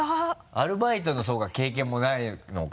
アルバイトのそうか経験もないのか。